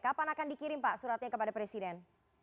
kapan akan dikirim pak suratnya kepada presiden